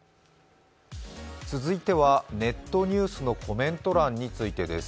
続いてはネットニュースのコメント欄についてです。